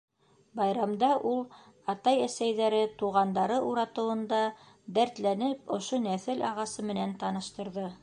Байрамда ул атай-әсәйҙәре, туғандары уратыуында дәртләнеп ошо нәҫел ағасы менән таныштырҙы.